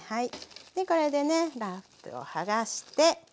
これでねラップをはがして。